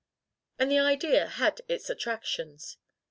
And the idea had its attractions.